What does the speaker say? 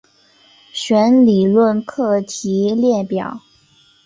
弦理论课题列表。